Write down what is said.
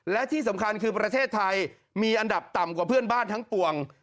และที่สำคัญคือประเทศไทยมีอันดับต่ำกว่าเพื่อนบ้านทั้งปวง